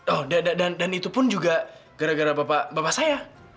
oh dan itu pun juga gara gara bapak saya